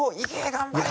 頑張れ！」